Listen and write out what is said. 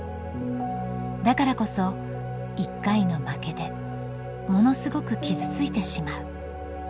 だからこそ一回の負けでものすごく傷ついてしまう。